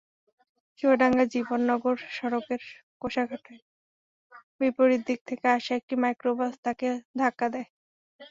চুয়াডাঙ্গা-জীবননগর সড়কের কোষাঘাটায় বিপরীত দিক থেকে আসা একটি মাইক্রোবাস তাঁকে ধাক্কা দেয়।